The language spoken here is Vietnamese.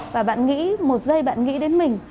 và bạn nghĩ một giây bạn nghĩ đến mình